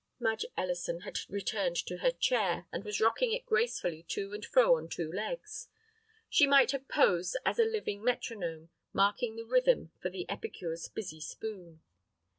Madge Ellison had returned to her chair, and was rocking it gracefully to and fro on two legs. She might have posed as a living metronome marking the rhythm for the epicure's busy spoon.